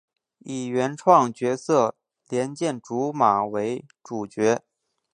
以原创角色莲见琢马为主角。